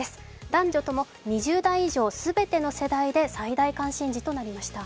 男女とも２０代以上全ての世代で最大関心事となりました。